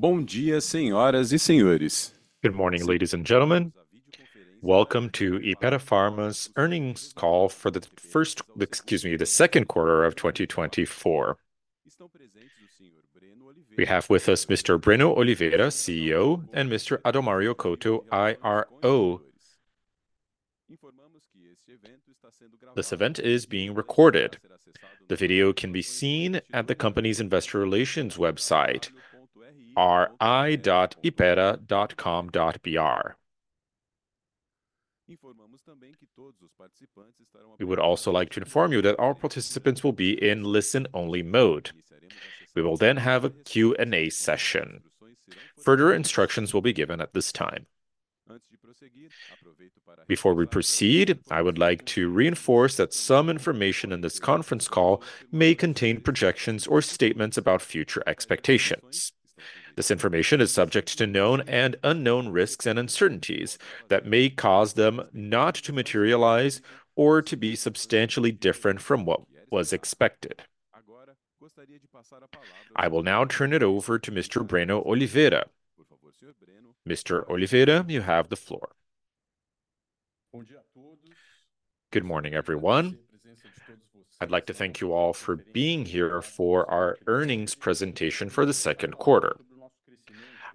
Good morning, ladies and gentlemen. Welcome to Hypera Pharma's earnings call for the second quarter of 2024. We have with us Mr. Breno Oliveira, CEO, and Mr. Adalmario Couto, IRO. This event is being recorded. The video can be seen at the company's investor relations website, ri.hypera.com.br. We would also like to inform you that all participants will be in listen-only mode. We will then have a Q&A session. Further instructions will be given at this time. Before we proceed, I would like to reinforce that some information in this conference call may contain projections or statements about future expectations. This information is subject to known and unknown risks and uncertainties that may cause them not to materialize or to be substantially different from what was expected. I will now turn it over to Mr. Breno Oliveira. Mr. Oliveira, you have the floor. Good morning, everyone. I'd like to thank you all for being here for our earnings presentation for the second quarter.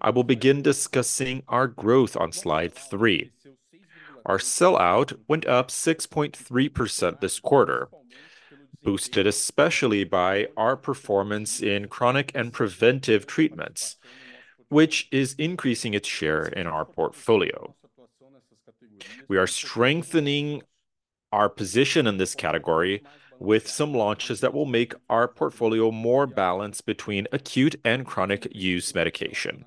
I will begin discussing our growth on slide three. Our sell-out went up 6.3% this quarter, boosted especially by our performance in chronic and preventive treatments, which is increasing its share in our portfolio. We are strengthening our position in this category with some launches that will make our portfolio more balanced between acute and chronic use medication.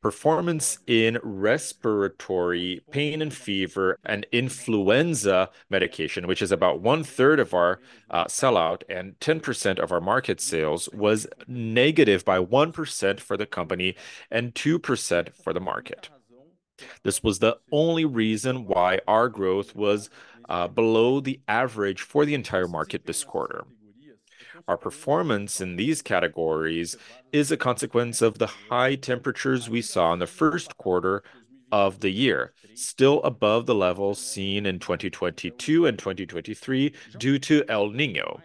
Performance in respiratory pain and fever and influenza medication, which is about one-third of our sell-out and 10% of our market sales, was negative by 1% for the company and 2% for the market. This was the only reason why our growth was below the average for the entire market this quarter. Our performance in these categories is a consequence of the high temperatures we saw in the first quarter of the year, still above the levels seen in 2022 and 2023 due to El Niño.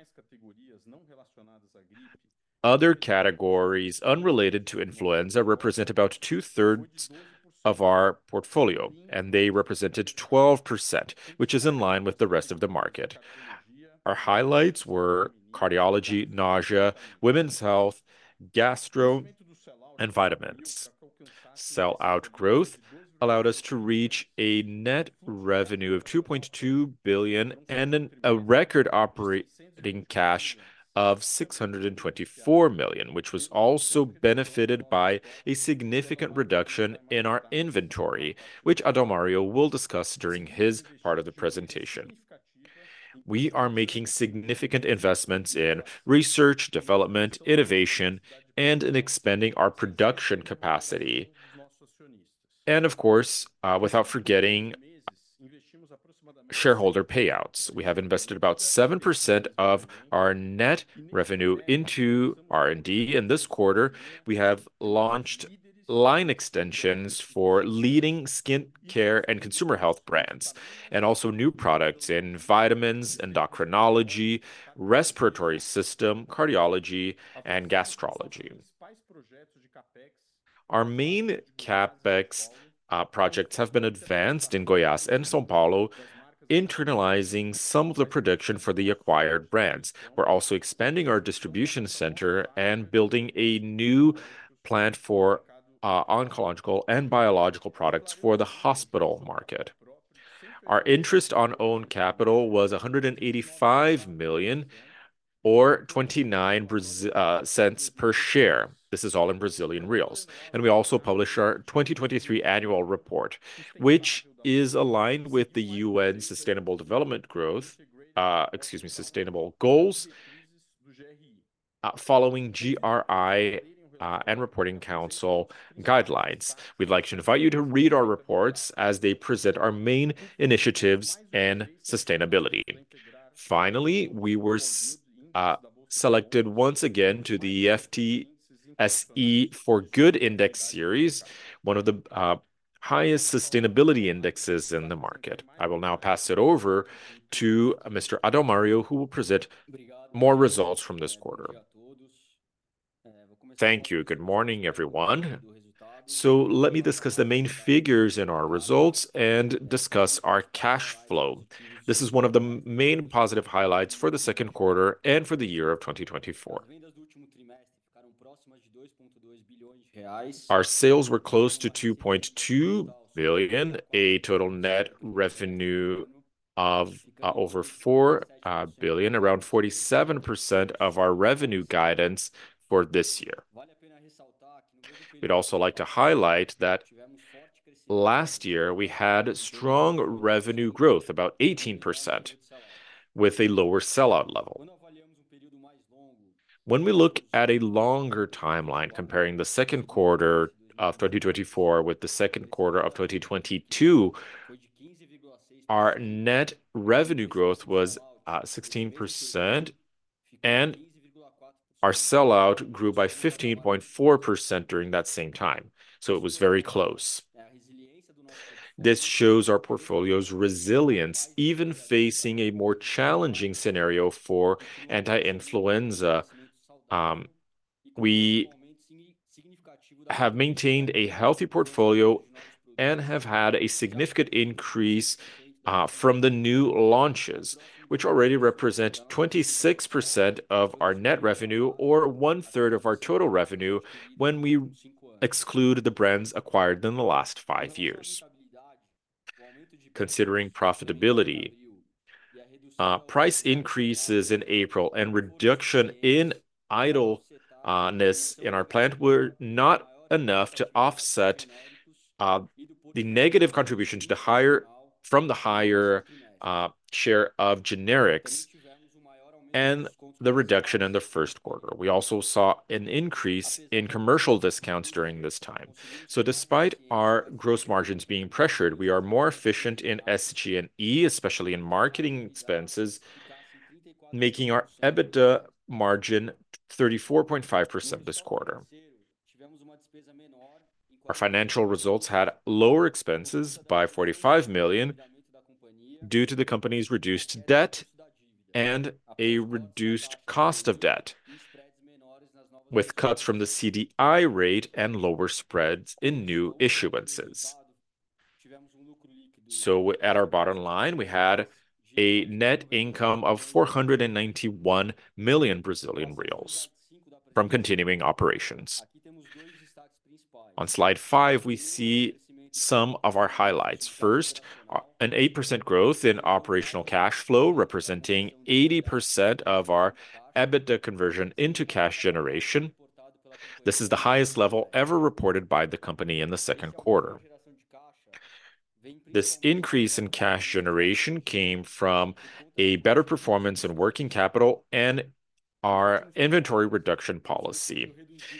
Other categories unrelated to influenza represent about two-thirds of our portfolio, and they represented 12%, which is in line with the rest of the market. Our highlights were cardiology, nausea, women's health, gastro, and vitamins. Sell-out growth allowed us to reach a net revenue of 2.2 billion and a record operating cash of 624 million, which was also benefited by a significant reduction in our inventory, which Adalmario will discuss during his part of the presentation. We are making significant investments in research, development, innovation, and expanding our production capacity. And of course, without forgetting shareholder payouts. We have invested about 7% of our net revenue into R&D. In this quarter, we have launched line extensions for leading skincare and consumer health brands, and also new products in vitamins, endocrinology, respiratory system, cardiology, and gastrology. Our main CapEx projects have been advanced in Goiás and São Paulo, internalizing some of the production for the acquired brands. We're also expanding our distribution center and building a new plant for oncological and biological products for the hospital market. Our interest on own capital was 185 million, or 0.29 per share. This is all in Brazilian reais. We also publish our 2023 annual report, which is aligned with the UN Sustainable Development Goals, following GRI and Reporting Council guidelines. We'd like to invite you to read our reports as they present our main initiatives in sustainability. Finally, we were selected once again to the FTSE4Good Index Series, one of the highest sustainability indexes in the market. I will now pass it over to Mr. Adalmario, who will present more results from this quarter. Thank you. Good morning, everyone. So let me discuss the main figures in our results and discuss our cash flow. This is one of the main positive highlights for the second quarter and for the year of 2024. Our sales were close to 2.2 billion, a total net revenue of over 4 billion, around 47% of our revenue guidance for this year. We'd also like to highlight that last year we had strong revenue growth, about 18%, with a lower sell-out level. When we look at a longer timeline, comparing the second quarter of 2024 with the second quarter of 2022, our net revenue growth was 16%, and our sell-out grew by 15.4% during that same time. So it was very close. This shows our portfolio's resilience, even facing a more challenging scenario for anti-influenza. We have maintained a healthy portfolio and have had a significant increase from the new launches, which already represent 26% of our net revenue, or one-third of our total revenue when we exclude the brands acquired in the last five years. Considering profitability, price increases in April and reduction in idleness in our plant were not enough to offset the negative contributions from the higher share of generics and the reduction in the first quarter. We also saw an increase in commercial discounts during this time. Despite our gross margins being pressured, we are more efficient in SG&A, especially in marketing expenses, making our EBITDA margin 34.5% this quarter. Our financial results had lower expenses by 45 million due to the company's reduced debt and a reduced cost of debt, with cuts from the CDI rate and lower spreads in new issuances. At our bottom line, we had a net income of 491 million Brazilian reais from continuing operations. On slide five, we see some of our highlights. First, an 8% growth in operational cash flow, representing 80% of our EBITDA conversion into cash generation. This is the highest level ever reported by the company in the second quarter. This increase in cash generation came from a better performance in working capital and our inventory reduction policy.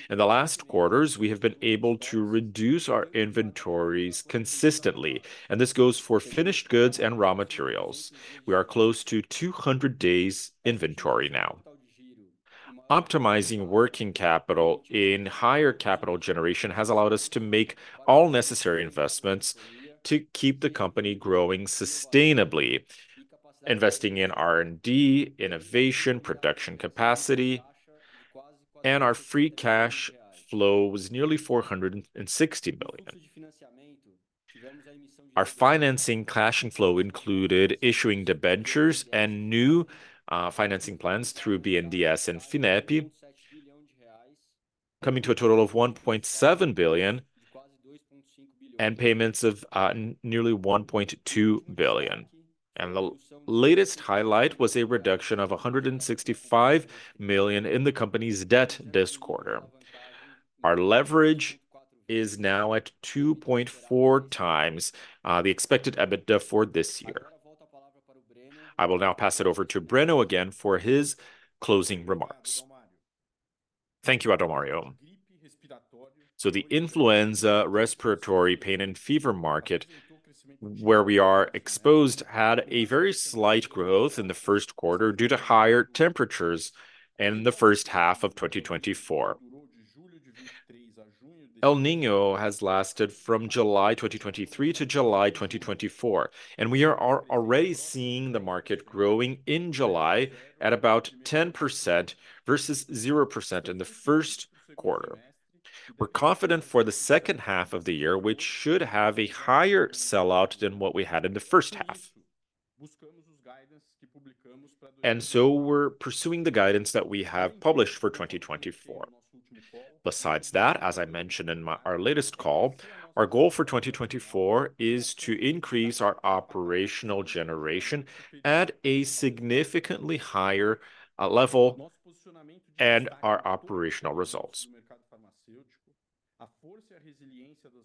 In the last quarters, we have been able to reduce our inventories consistently, and this goes for finished goods and raw materials. We are close to 200 days inventory now. Optimizing working capital in higher capital generation has allowed us to make all necessary investments to keep the company growing sustainably, investing in R&D, innovation, production capacity, and our free cash flow was nearly 460 million. Our financing cash flow included issuing debentures and new financing plans through BNDES and FINEP, coming to a total of 1.7 billion and payments of nearly 1.2 billion. The latest highlight was a reduction of 165 million in the company's debt this quarter. Our leverage is now at 2.4x the expected EBITDA for this year. I will now pass it over to Breno again for his closing remarks. Thank you, Adalmario. So the influenza, respiratory pain, and fever market, where we are exposed, had a very slight growth in the first quarter due to higher temperatures in the first half of 2024. El Niño has lasted from July 2023 to July 2024, and we are already seeing the market growing in July at about 10% versus 0% in the first quarter. We're confident for the second half of the year, which should have a higher sell-out than what we had in the first half. So we're pursuing the guidance that we have published for 2024. Besides that, as I mentioned in our latest call, our goal for 2024 is to increase our operational generation at a significantly higher level and our operational results.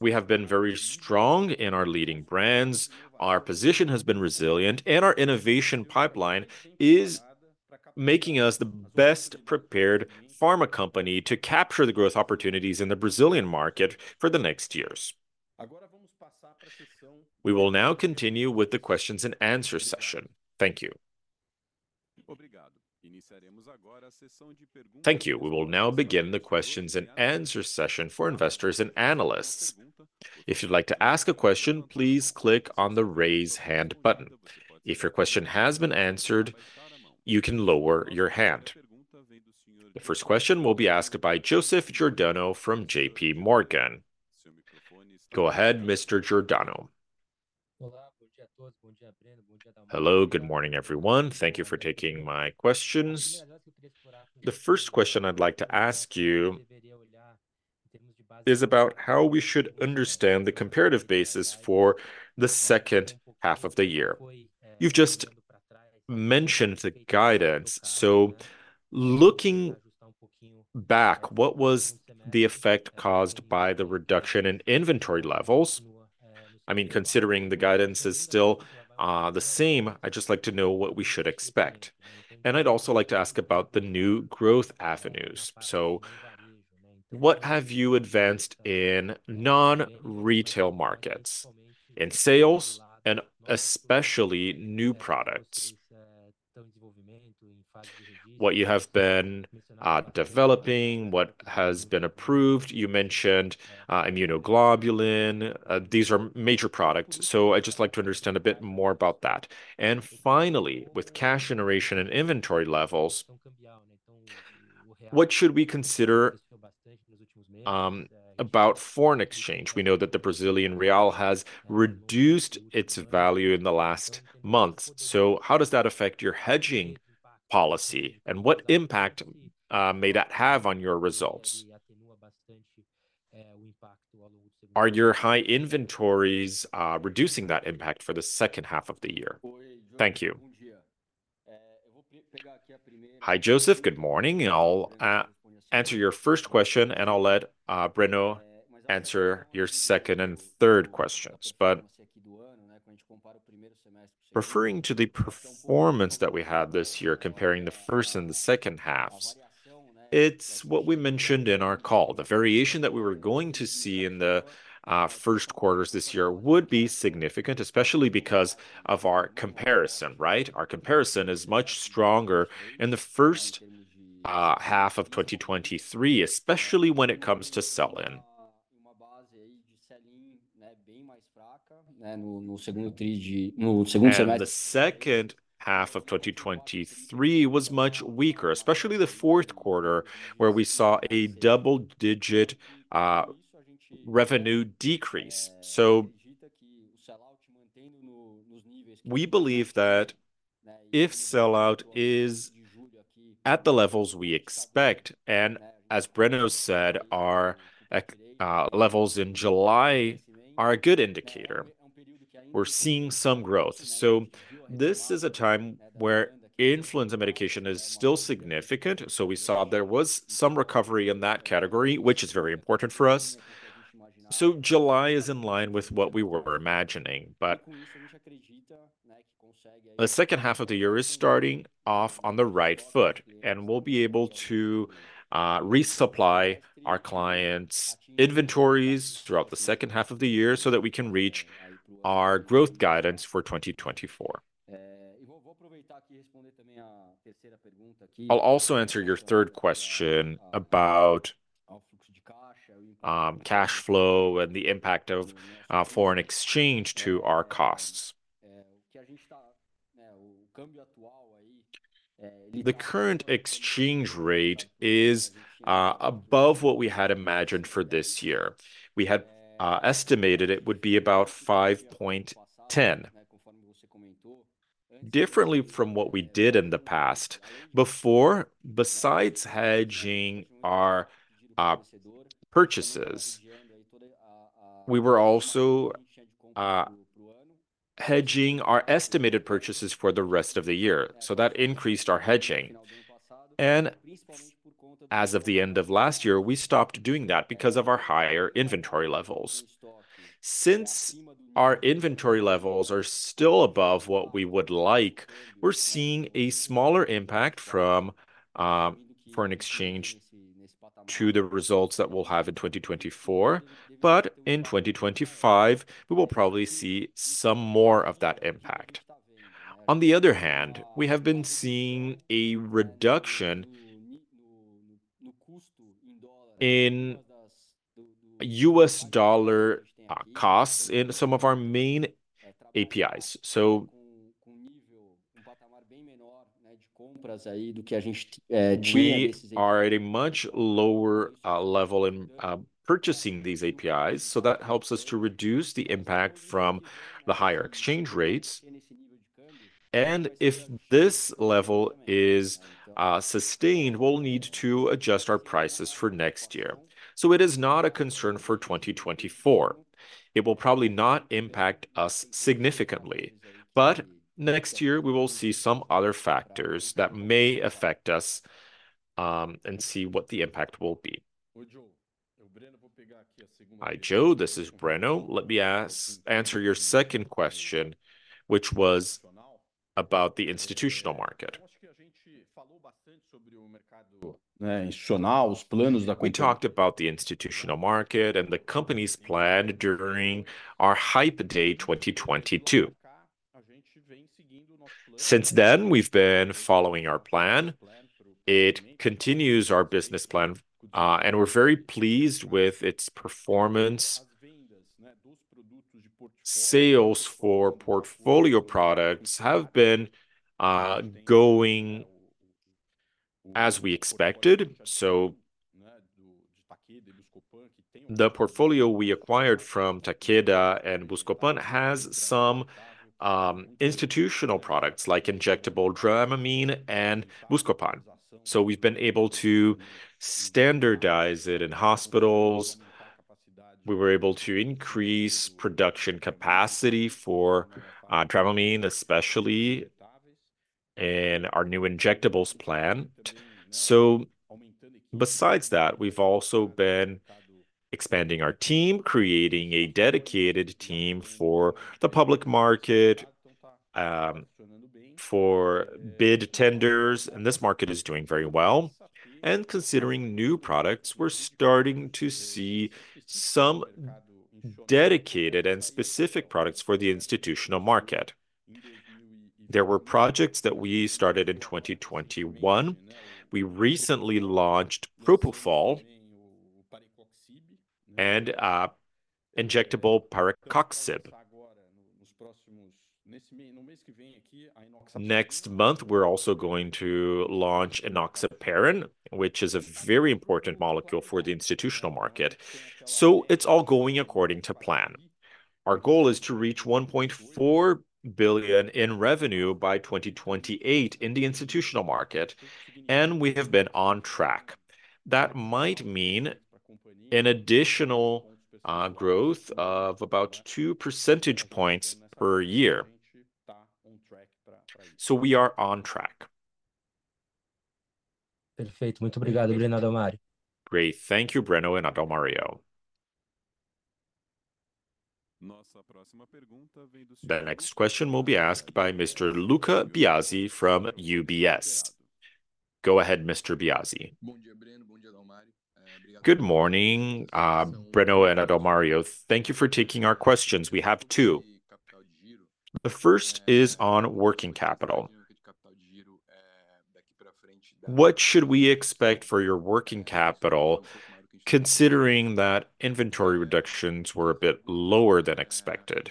We have been very strong in our leading brands. Our position has been resilient, and our innovation pipeline is making us the best-prepared pharma company to capture the growth opportunities in the Brazilian market for the next years. We will now continue with the questions and answers session. Thank you. Thank you. We will now begin the questions and answers session for investors and analysts. If you'd like to ask a question, please click on the raise hand button. If your question has been answered, you can lower your hand. The first question will be asked by Joseph Giordano from J.P. Morgan. Go ahead, Mr. Giordano. Hello, good morning, everyone. Thank you for taking my questions. The first question I'd like to ask you is about how we should understand the comparative basis for the second half of the year. You've just mentioned the guidance. So looking back, what was the effect caused by the reduction in inventory levels? I mean, considering the guidance is still the same, I'd just like to know what we should expect. And I'd also like to ask about the new growth avenues. So what have you advanced in non-retail markets, in sales, and especially new products? What you have been developing, what has been approved? You mentioned immunoglobulin. These are major products. So I'd just like to understand a bit more about that. And finally, with cash generation and inventory levels, what should we consider about foreign exchange? We know that the Brazilian real has reduced its value in the last months. So how does that affect your hedging policy, and what impact may that have on your results? Are your high inventories reducing that impact for the second half of the year? Thank you. Hi, Joseph. Good morning. I'll answer your first question, and I'll let Breno answer your second and third questions. But referring to the performance that we had this year, comparing the first and the second half, it's what we mentioned in our call. The variation that we were going to see in the first quarters this year would be significant, especially because of our comparison, right? Our comparison is much stronger in the first half of 2023, especially when it comes to sell-in. The second half of 2023 was much weaker, especially the fourth quarter, where we saw a double-digit revenue decrease. So we believe that if sell-out is at the levels we expect, and as Breno said, our levels in July are a good indicator, we're seeing some growth. So this is a time where influenza medication is still significant. So we saw there was some recovery in that category, which is very important for us. So July is in line with what we were imagining. The second half of the year is starting off on the right foot, and we'll be able to resupply our clients' inventories throughout the second half of the year so that we can reach our growth guidance for 2024. I'll also answer your third question about cash flow and the impact of foreign exchange to our costs. The current exchange rate is above what we had imagined for this year. We had estimated it would be about 5.10, differently from what we did in the past. Before, besides hedging our purchases, we were also hedging our estimated purchases for the rest of the year. So that increased our hedging. And as of the end of last year, we stopped doing that because of our higher inventory levels. Since our inventory levels are still above what we would like, we're seeing a smaller impact from foreign exchange to the results that we'll have in 2024. But in 2025, we will probably see some more of that impact. On the other hand, we have been seeing a reduction in U.S. dollar costs in some of our main APIs. So we are at a much lower level in purchasing these APIs. So that helps us to reduce the impact from the higher exchange rates. And if this level is sustained, we'll need to adjust our prices for next year. So it is not a concern for 2024. It will probably not impact us significantly. But next year, we will see some other factors that may affect us and see what the impact will be. Hi, Joe. This is Breno. Let me answer your second question, which was about the institutional market. We talked about the institutional market and the company's plan during our Hype Day 2022. Since then, we've been following our plan. It continues our business plan, and we're very pleased with its performance. Sales for portfolio products have been going as we expected. So the portfolio we acquired from Takeda and Buscopan has some institutional products like injectable Dramamine and Buscopan. So we've been able to standardize it in hospitals. We were able to increase production capacity for Dramamine, especially in our new injectables plant. So besides that, we've also been expanding our team, creating a dedicated team for the public market, for bid tenders, and this market is doing very well. And considering new products, we're starting to see some dedicated and specific products for the institutional market. There were projects that we started in 2021. We recently launched Propofol and injectable Parecoxib. Next month, we're also going to launch Enoxaparin, which is a very important molecule for the institutional market. So it's all going according to plan. Our goal is to reach 1.4 billion in revenue by 2028 in the institutional market, and we have been on track. That might mean an additional growth of about 2 percentage points per year. So we are on track. Perfeito. Thank you, Breno and Adalmario. The next question will be asked by Mr. Lucca Biasi from UBS. Go ahead, Mr. Biasi. Good morning, Breno and Adalmario. Thank you for taking our questions. We have two. The first is on working capital. What should we expect for your working capital, considering that inventory reductions were a bit lower than expected?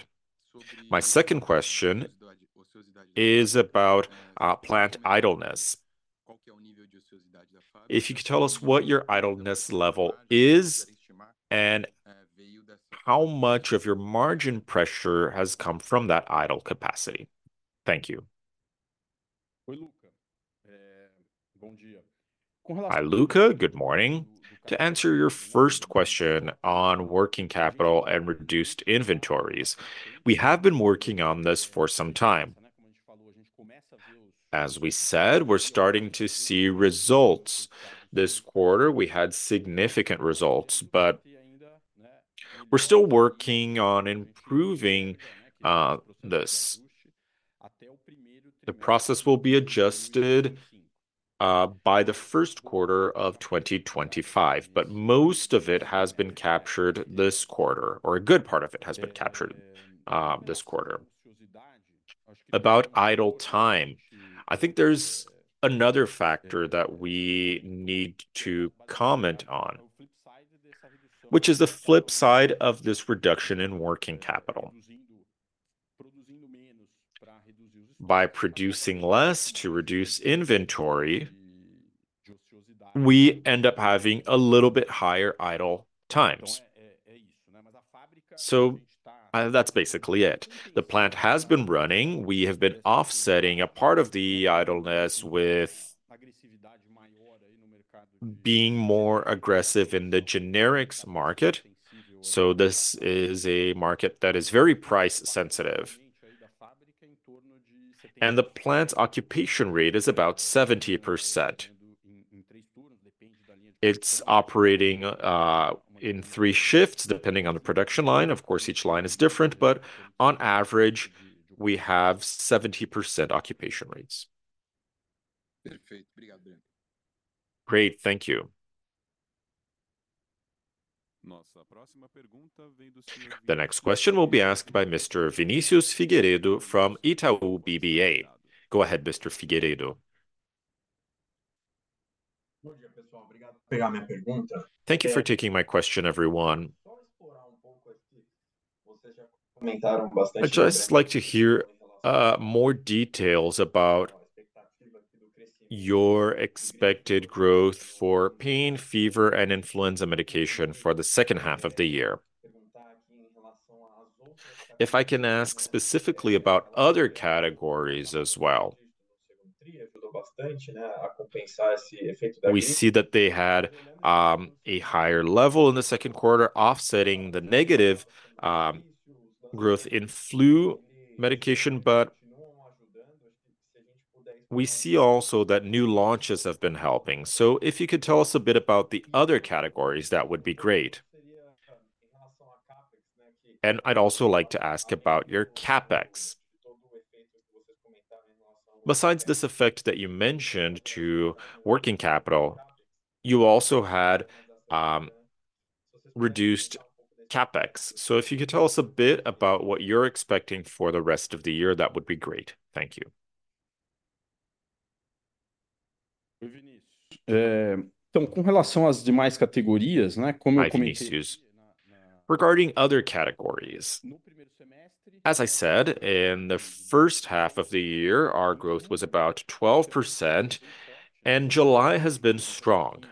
My second question is about plant idleness. If you could tell us what your idleness level is and how much of your margin pressure has come from that idle capacity? Thank you. Hi, Lucca. Good morning. To answer your first question on working capital and reduced inventories, we have been working on this for some time. As we said, we're starting to see results. This quarter, we had significant results, but we're still working on improving this. The process will be adjusted by the first quarter of 2025, but most of it has been captured this quarter, or a good part of it has been captured this quarter. About idle time, I think there's another factor that we need to comment on, which is the flip side of this reduction in working capital. By producing less to reduce inventory, we end up having a little bit higher idle times. So that's basically it. The plant has been running. We have been offsetting a part of the idleness with being more aggressive in the generics market. This is a market that is very price sensitive. The plant's occupation rate is about 70%. It's operating in three shifts depending on the production line. Of course, each line is different, but on average, we have 70% occupation rates. Great. Thank you. The next question will be asked by Mr. Vinicius Figueiredo from Itaú BBA. Go ahead, Mr. Figueiredo. Thank you for taking my question, everyone. I'd just like to hear more details about your expected growth for pain, fever, and influenza medication for the second half of the year. If I can ask specifically about other categories as well. We see that they had a higher level in the second quarter, offsetting the negative growth in flu medication, but we see also that new launches have been helping. So if you could tell us a bit about the other categories, that would be great. And I'd also like to ask about your CapEx. Besides this effect that you mentioned to working capital, you also had reduced CapEx. So if you could tell us a bit about what you're expecting for the rest of the year, that would be great. Thank you. As I said, in the first half of the year, our growth was about 12%, and July has been strong.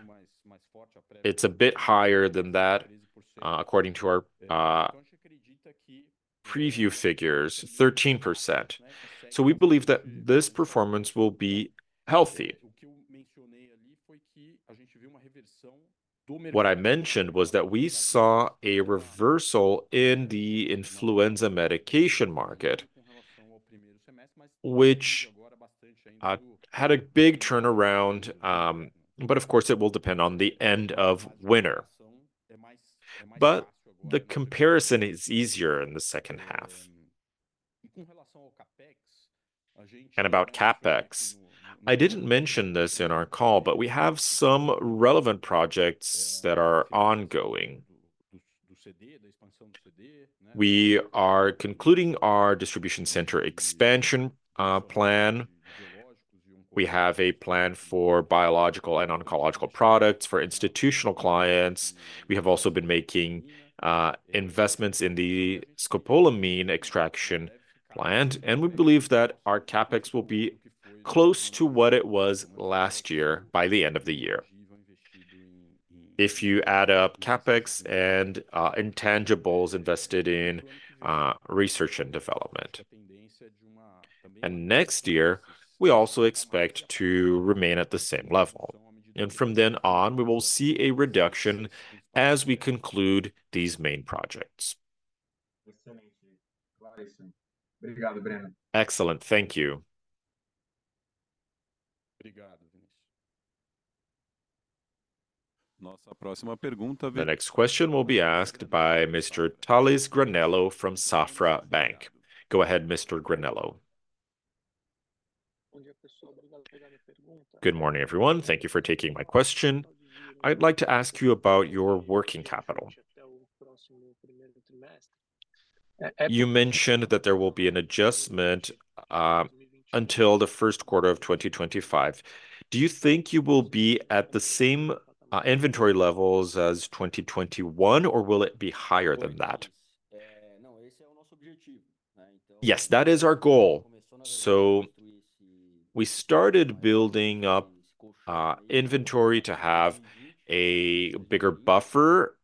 It's a bit higher than that, according to our preview figures, 13%. So we believe that this performance will be healthy. What I mentioned was that we saw a reversal in the influenza medication market, which had a big turnaround, but of course, it will depend on the end of winter. But the comparison is easier in the second half. About CapEx, I didn't mention this in our call, but we have some relevant projects that are ongoing. We are concluding our distribution center expansion plan. We have a plan for biological and oncological products for institutional clients. We have also been making investments in the scopolamine extraction plant, and we believe that our CapEx will be close to what it was last year by the end of the year, if you add up CapEx and intangibles invested in research and development. Next year, we also expect to remain at the same level. From then on, we will see a reduction as we conclude these main projects. Excellent. Thank you. The next question will be asked by Mr. Tales Granello from Banco Safra. Go ahead, Mr. Granello. Good morning, everyone. Thank you for taking my question. I'd like to ask you about your working capital. You mentioned that there will be an adjustment until the first quarter of 2025. Do you think you will be at the same inventory levels as 2021, or will it be higher than that? Yes, that is our goal. So we started building up inventory to have a bigger buffer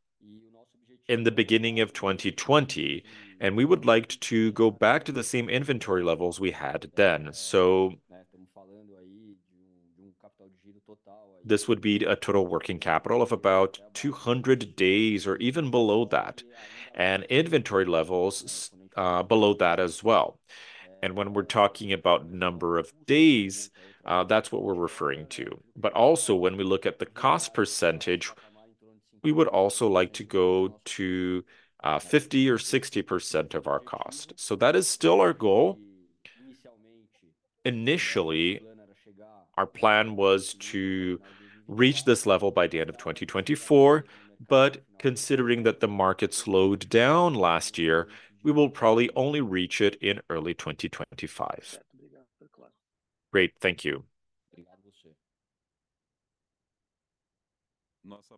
in the beginning of 2020, and we would like to go back to the same inventory levels we had then. This would be a total working capital of about 200 days or even below that, and inventory levels below that as well. And when we're talking about number of days, that's what we're referring to. But also, when we look at the cost percentage, we would also like to go to 50% or 60% of our cost. So that is still our goal. Initially, our plan was to reach this level by the end of 2024, but considering that the market slowed down last year, we will probably only reach it in early 2025. Great. Thank you. The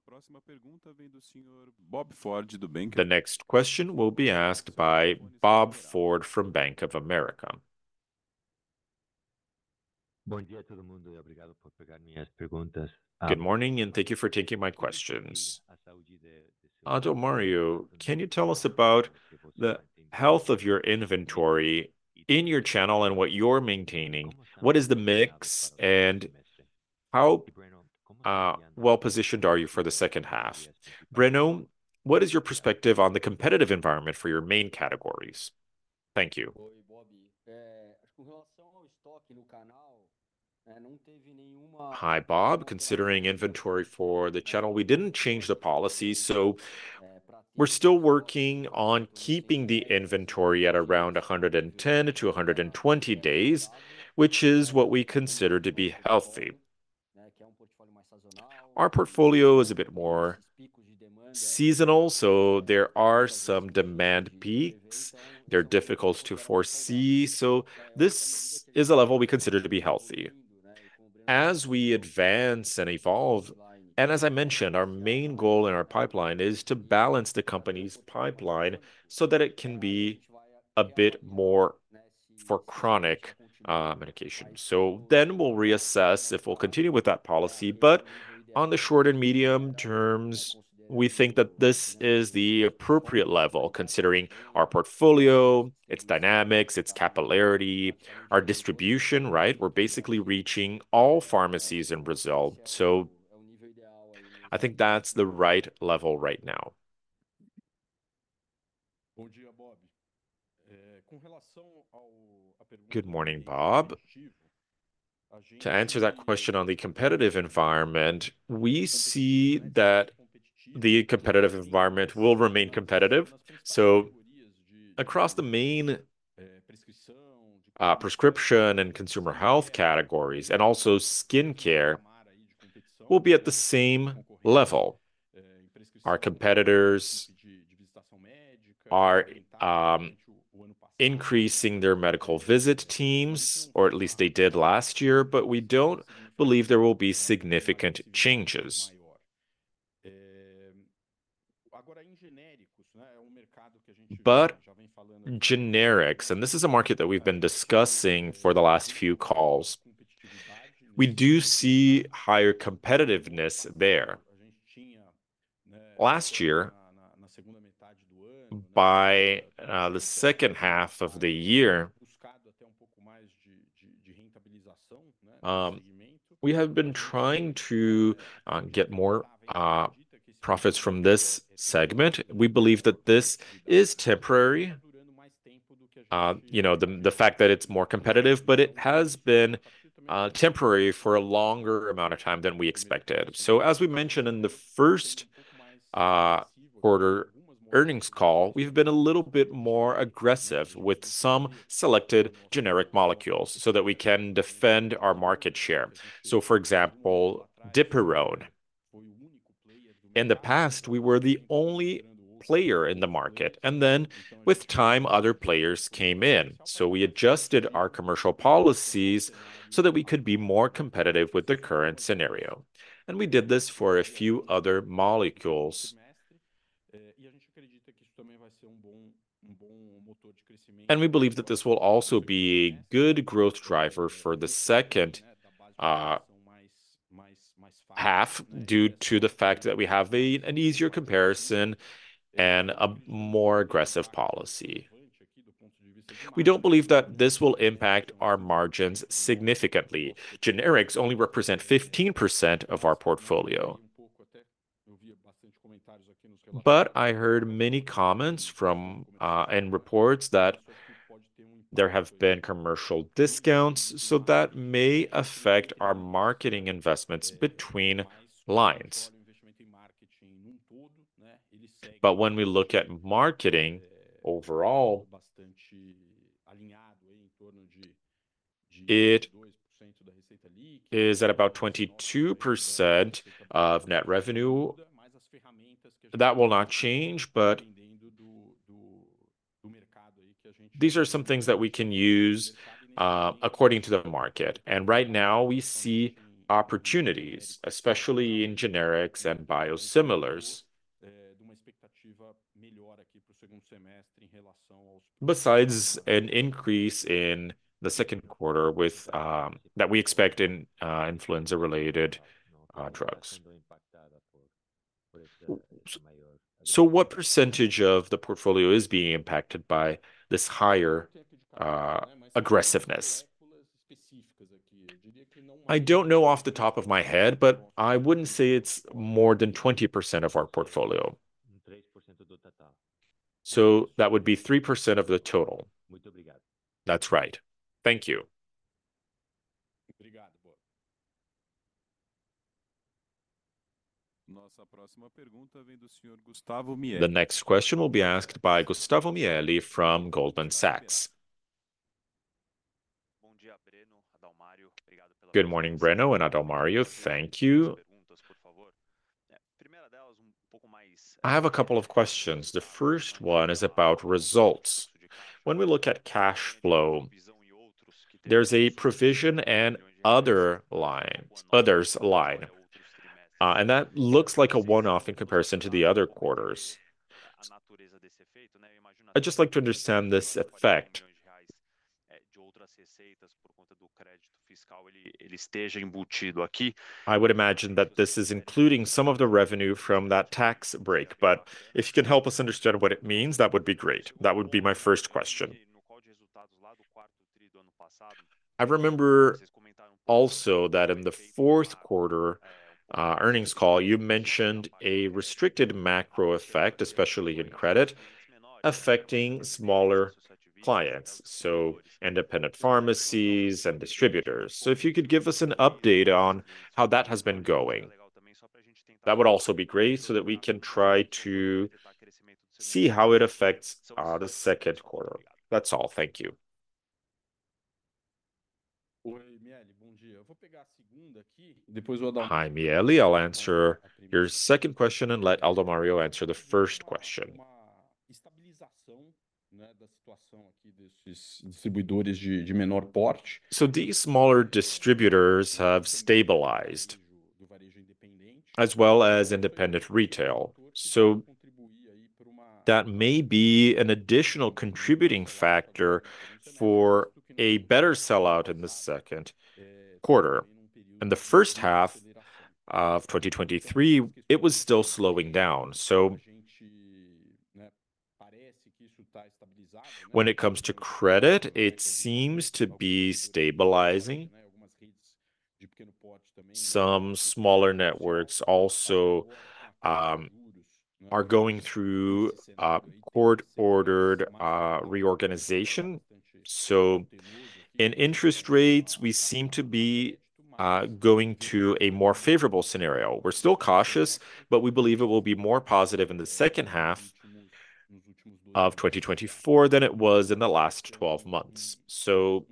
next question will be asked by Bob Ford from Bank of America. Good morning, and thank you for taking my questions. Adalmario, can you tell us about the health of your inventory in your channel and what you're maintaining? What is the mix, and how well-positioned are you for the second half? Breno, what is your perspective on the competitive environment for your main categories? Thank you. Hi, Bob. Considering inventory for the channel, we didn't change the policy, so we're still working on keeping the inventory at around 110-120 days, which is what we consider to be healthy. Our portfolio is a bit more seasonal, so there are some demand peaks. They're difficult to foresee, so this is a level we consider to be healthy. As we advance and evolve, and as I mentioned, our main goal in our pipeline is to balance the company's pipeline so that it can be a bit more for chronic medication. So then we'll reassess if we'll continue with that policy, but on the short and medium terms, we think that this is the appropriate level considering our portfolio, its dynamics, its capillarity, our distribution, right? We're basically reaching all pharmacies in Brazil, so I think that's the right level right now. Good morning, Bob. To answer that question on the competitive environment, we see that the competitive environment will remain competitive. So across the main prescription and consumer health categories and also skin care, we'll be at the same level. Our competitors are increasing their medical visit teams, or at least they did last year, but we don't believe there will be significant changes. But generics, and this is a market that we've been discussing for the last few calls, we do see higher competitiveness there. Last year, by the second half of the year, we have been trying to get more profits from this segment. We believe that this is temporary, you know, the fact that it's more competitive, but it has been temporary for a longer amount of time than we expected. So as we mentioned in the first quarter earnings call, we've been a little bit more aggressive with some selected generic molecules so that we can defend our market share. So for example, Dipyrone. In the past, we were the only player in the market, and then with time, other players came in. So we adjusted our commercial policies so that we could be more competitive with the current scenario. And we did this for a few other molecules. And we believe that this will also be a good growth driver for the second half due to the fact that we have an easier comparison and a more aggressive policy. We don't believe that this will impact our margins significantly. Generics only represent 15% of our portfolio, but I heard many comments and reports that there have been commercial discounts, so that may affect our marketing investments between lines. When we look at marketing overall, it is at about 22% of net revenue. That will not change, but these are some things that we can use according to the market. Right now, we see opportunities, especially in generics and biosimilars, besides an increase in the second quarter that we expect in influenza-related drugs. What percentage of the portfolio is being impacted by this higher aggressiveness? I don't know off the top of my head, but I wouldn't say it's more than 20% of our portfolio. That would be 3% of the total. That's right. Thank you. The next question will be asked by Gustavo Mieli from Goldman Sachs. Good morning, Breno and Adalmario. Thank you. I have a couple of questions. The first one is about results. When we look at cash flow, there's a provision and others line, and that looks like a one-off in comparison to the other quarters. I'd just like to understand this effect. I would imagine that this is including some of the revenue from that tax break, but if you can help us understand what it means, that would be great. That would be my first question. I remember also that in the fourth quarter earnings call, you mentioned a restricted macro effect, especially in credit, affecting smaller clients, so independent pharmacies and distributors. So if you could give us an update on how that has been going, that would also be great so that we can try to see how it affects the second quarter. That's all. Thank you. Hi, Mieli. I'll answer your second question and let Adalmario answer the first question. So these smaller distributors have stabilized, as well as independent retail. So that may be an additional contributing factor for a better sellout in the second quarter. In the first half of 2023, it was still slowing down. So when it comes to credit, it seems to be stabilizing. Some smaller networks also are going through court-ordered reorganization. So in interest rates, we seem to be going to a more favorable scenario. We're still cautious, but we believe it will be more positive in the second half of 2024 than it was in the last 12 months. So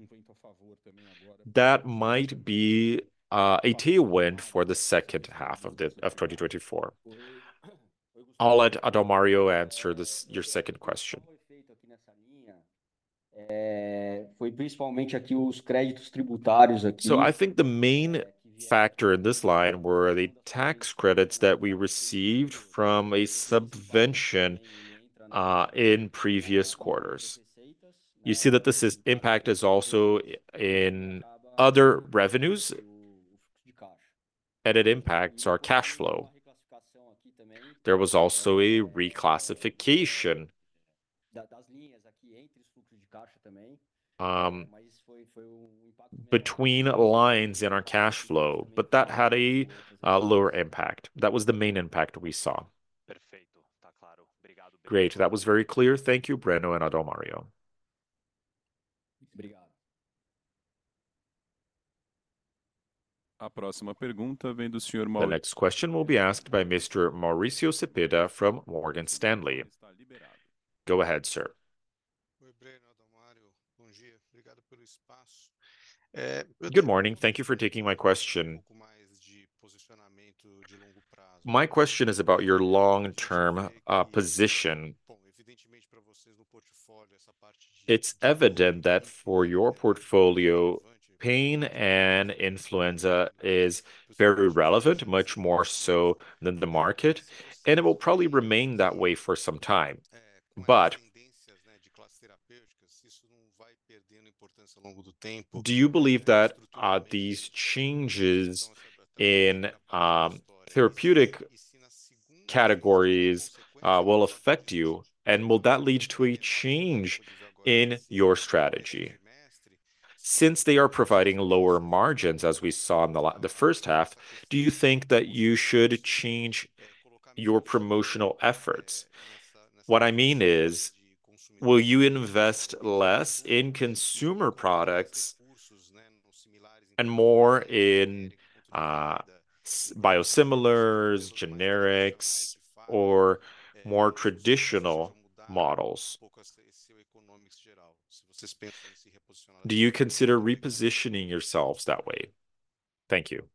that might be a tailwind for the second half of 2024. I'll let Adalmario answer your second question. So I think the main factor in this line were the tax credits that we received from a subvention in previous quarters. You see that this impact is also in other revenues, and it impacts our cash flow. There was also a reclassification between lines in our cash flow, but that had a lower impact. That was the main impact we saw. Great. That was very clear. Thank you, Breno and Adalmario. The next question will be asked by Mr. Mauricio Cepeda from Morgan Stanley. Go ahead, sir. Good morning. Thank you for taking my question. My question is about your long-term position. It's evident that for your portfolio, pain and influenza is very relevant, much more so than the market, and it will probably remain that way for some time. But do you believe that these changes in therapeutic categories will affect you, and will that lead to a change in your strategy? Since they are providing lower margins as we saw in the first half, do you think that you should change your promotional efforts? What I mean is, will you invest less in consumer products and more in biosimilars, generics, or more traditional models? Do you consider repositioning yourselves that way? Thank you.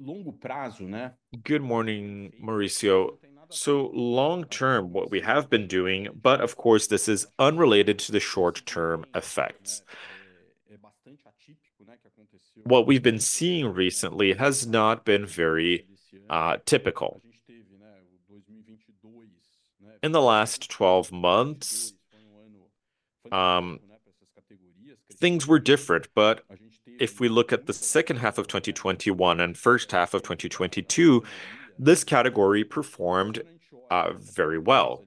Good morning, Mauricio. So long-term, what we have been doing, but of course this is unrelated to the short-term effects, what we've been seeing recently has not been very typical. In the last 12 months, things were different, but if we look at the second half of 2021 and first half of 2022, this category performed very well.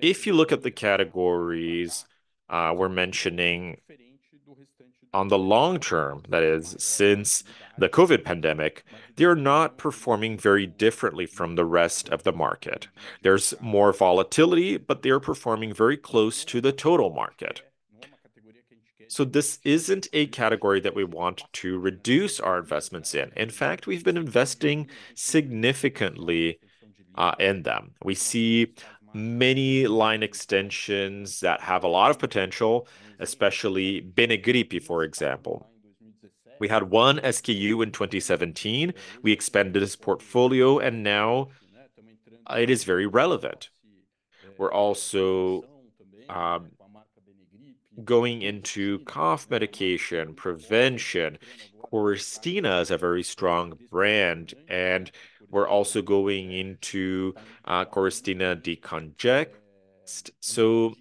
If you look at the categories we're mentioning on the long term, that is, since the COVID pandemic, they are not performing very differently from the rest of the market. There's more volatility, but they are performing very close to the total market. So this isn't a category that we want to reduce our investments in. In fact, we've been investing significantly in them. We see many line extensions that have a lot of potential, especially Benegrip, for example. We had one SKU in 2017. We expanded this portfolio, and now it is very relevant. We're also going into cough medication prevention. Coristina is a very strong brand, and we're also going into Coristina Decongest. So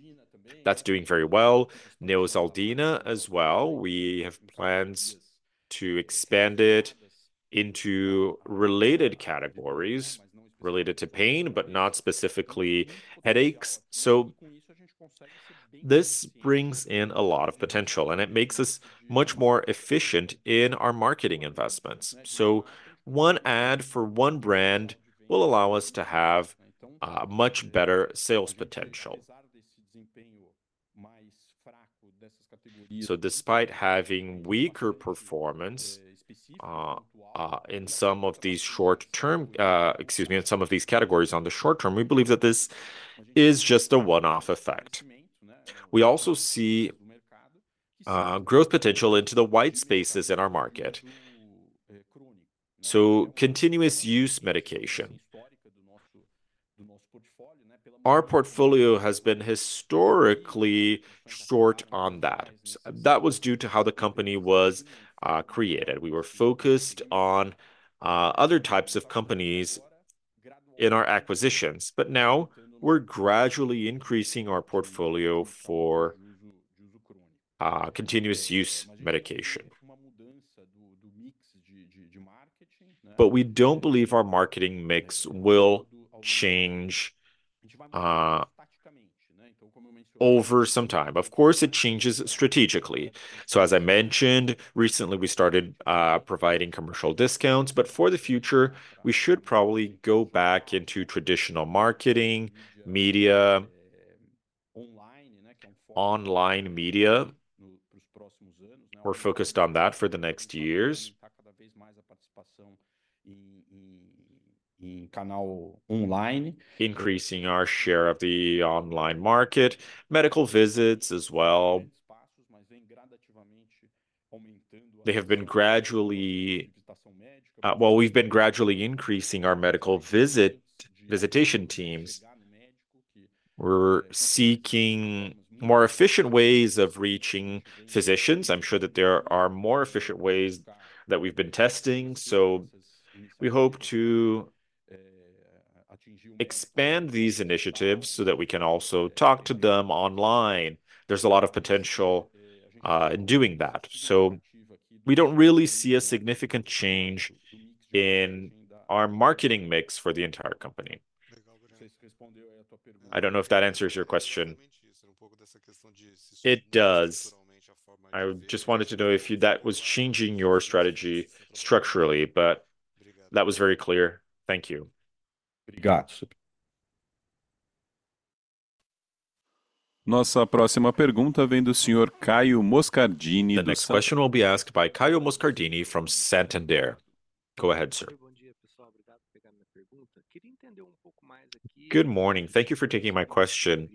that's doing very well. Neosaldina as well. We have plans to expand it into related categories related to pain, but not specifically headaches. So this brings in a lot of potential, and it makes us much more efficient in our marketing investments. So one ad for one brand will allow us to have a much better sales potential. So despite having weaker performance in some of these short-term, excuse me, in some of these categories on the short term, we believe that this is just a one-off effect. We also see growth potential into the white spaces in our market. So continuous use medication. Our portfolio has been historically short on that. That was due to how the company was created. We were focused on other types of companies in our acquisitions, but now we're gradually increasing our portfolio for continuous use medication. But we don't believe our marketing mix will change over some time. Of course, it changes strategically. So as I mentioned, recently we started providing commercial discounts, but for the future, we should probably go back into traditional marketing, media, online media. We're focused on that for the next years, increasing our share of the online market, medical visits as well. They have been gradually increasing our medical visitation teams. We're seeking more efficient ways of reaching physicians. I'm sure that there are more efficient ways that we've been testing. So we hope to expand these initiatives so that we can also talk to them online. There's a lot of potential in doing that. So we don't really see a significant change in our marketing mix for the entire company. I don't know if that answers your question. It does. I just wanted to know if that was changing your strategy structurally, but that was very clear. Thank you. The next question will be asked by Caio Moscardini from Santander. Go ahead, sir. Good morning. Thank you for taking my question.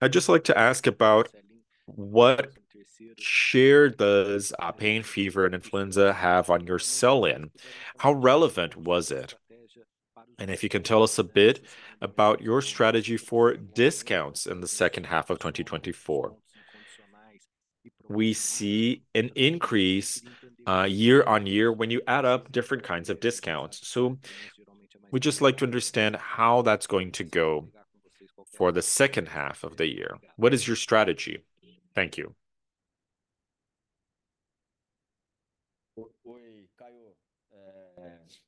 I'd just like to ask about what share does pain, fever, and influenza have on your sell-in? How relevant was it? And if you can tell us a bit about your strategy for discounts in the second half of 2024. We see an increase year-on-year when you add up different kinds of discounts. So we'd just like to understand how that's going to go for the second half of the year. What is your strategy? Thank you.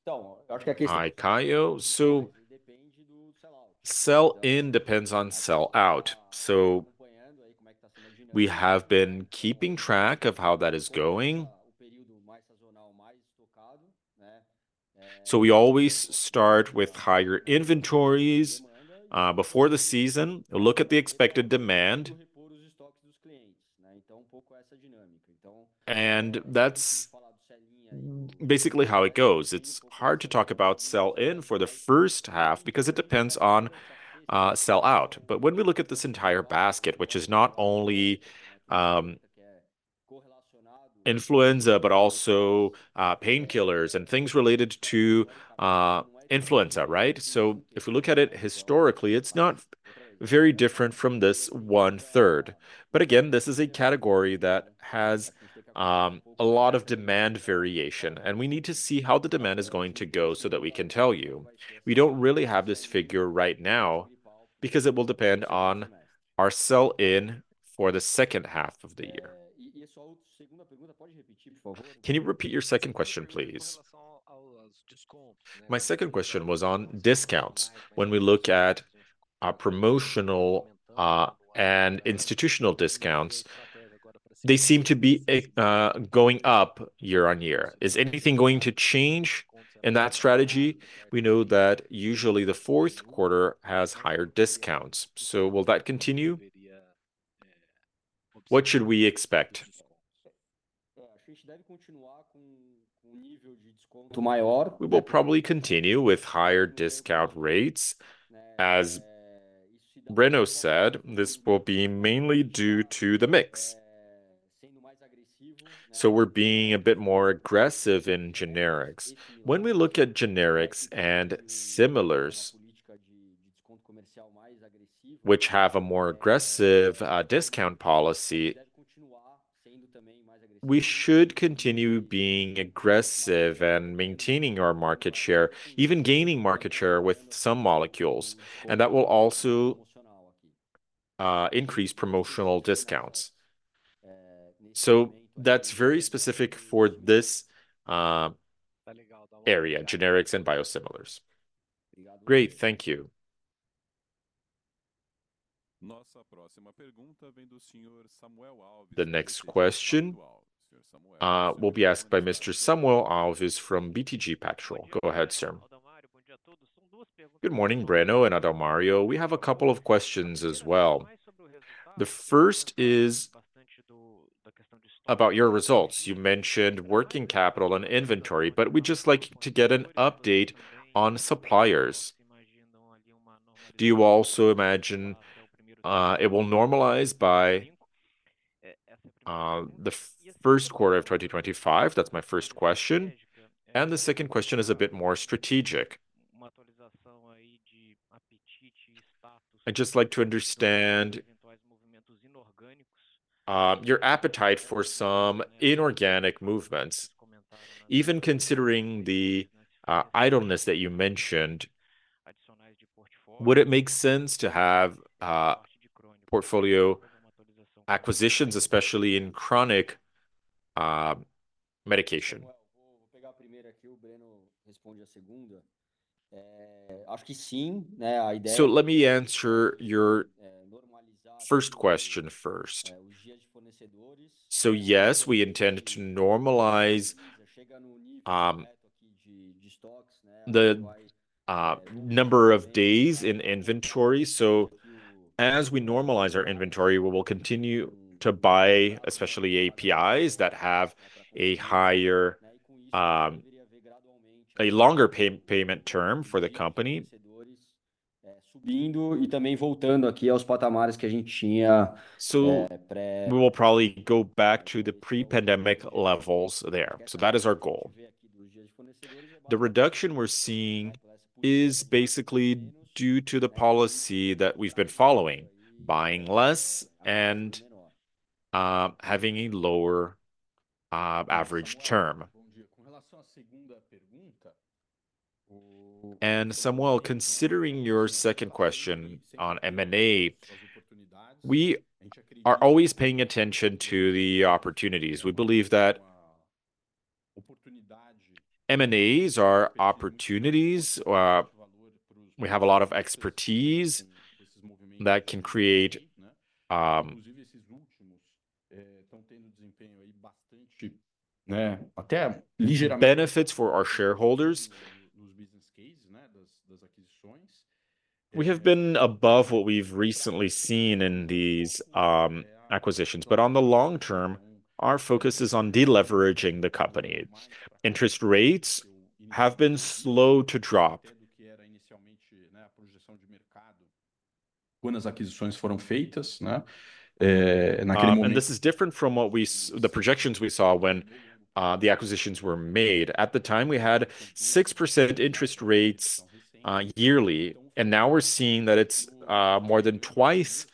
Hi, Caio. So sell-in depends on sell-out. So we have been keeping track of how that is going. So we always start with higher inventories before the season, look at the expected demand. And that's basically how it goes. It's hard to talk about sell-in for the first half because it depends on sell-out. But when we look at this entire basket, which is not only influenza, but also painkillers and things related to influenza, right? So if we look at it historically, it's not very different from this one-third. But again, this is a category that has a lot of demand variation, and we need to see how the demand is going to go so that we can tell you. We don't really have this figure right now because it will depend on our sell-in for the second half of the year. Can you repeat your second question, please? My second question was on discounts. When we look at promotional and institutional discounts, they seem to be going up year-on-year. Is anything going to change in that strategy? We know that usually the fourth quarter has higher discounts. So will that continue? What should we expect? We will probably continue with higher discount rates. As Breno said, this will be mainly due to the mix. So we're being a bit more aggressive in generics. When we look at generics and similars, which have a more aggressive discount policy, we should continue being aggressive and maintaining our market share, even gaining market share with some molecules. And that will also increase promotional discounts. So that's very specific for this area, generics and biosimilars. Great. Thank you. The next question will be asked by Mr. Samuel Alves from BTG Pactual. Go ahead, sir. Good morning, Breno and Adalmario. We have a couple of questions as well. The first is about your results. You mentioned working capital and inventory, but we'd just like to get an update on suppliers. Do you also imagine it will normalize by the first quarter of 2025? That's my first question. And the second question is a bit more strategic. I'd just like to understand your appetite for some inorganic movements. Even considering the idleness that you mentioned, would it make sense to have portfolio acquisitions, especially in chronic medication? Let me answer your first question first. Yes, we intend to normalize the number of days in inventory. As we normalize our inventory, we will continue to buy, especially APIs that have a longer payment term for the company. We will probably go back to the pre-pandemic levels there. That is our goal. The reduction we're seeing is basically due to the policy that we've been following, buying less and having a lower average term. Samuel, considering your second question on M&A, we are always paying attention to the opportunities. We believe that M&As are opportunities. We have a lot of expertise that can create benefits for our shareholders. We have been above what we've recently seen in these acquisitions. But on the long term, our focus is on deleveraging the company. Interest rates have been slow to drop when this is different from the projections we saw when the acquisitions were made. At the time, we had 6% interest rates yearly, and now we're seeing that it's more than twice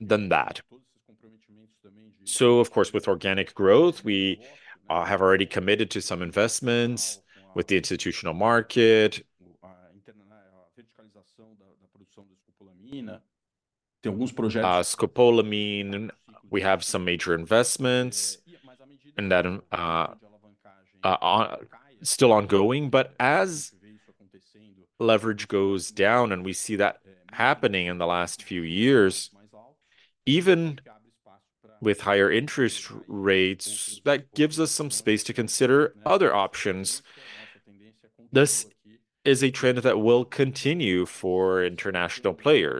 than that. So of course, with organic growth, we have already committed to some investments with the institutional market. We have some major investments and that is still ongoing. But as leverage goes down and we see that happening in the last few years, even with higher interest rates, that gives us some space to consider other options. This is a trend that will continue for international players.